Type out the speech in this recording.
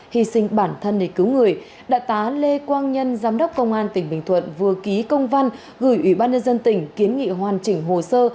hy sinh bản thân để cứu người đại tá lê quang nhân giám đốc công an tỉnh bình thuận vừa ký công văn gửi ủy ban nhân dân tỉnh kiến nghị hoàn chỉnh hồ sơ